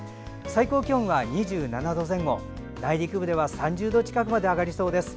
最高気温は２７度前後内陸部では３０度近くまで上がりそうです。